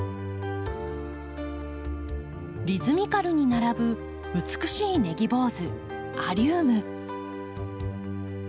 リズミカルに並ぶ美しいネギ坊主アリウム。